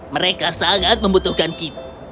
mereka sangat membutuhkan kita